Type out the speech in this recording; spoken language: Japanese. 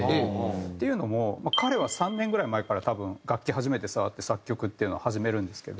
っていうのも彼は３年ぐらい前から多分楽器初めて触って作曲っていうのを始めるんですけど。